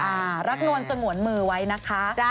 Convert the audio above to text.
รักนวลสงวนมือไว้นะคะ